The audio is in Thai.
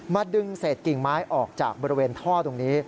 ดึงเศษกิ่งไม้ออกจากบริเวณท่อตรงนี้